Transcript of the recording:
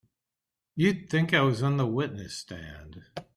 You'd think I was on the witness stand!